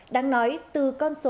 đáng nói từ con số